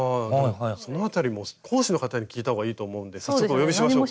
その辺りも講師の方に聞いたほうがいいと思うんで早速お呼びしましょうか。